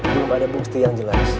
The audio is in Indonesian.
belum ada bukti yang jelas